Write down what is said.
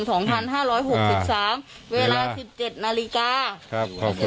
สองพันห้าร้อยหกสิบสามเวลาสิบเจ็ดนาฬิกาครับโอเค